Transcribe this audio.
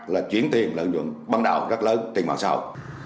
là chuyển tiền lợi nhuận băng đạo rất lớn tình mạng sao